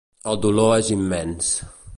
El dolor és immens.